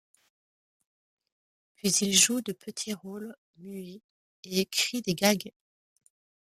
Puis il joue de petits rôles muets et écrit des gags.